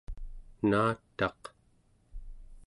naataq¹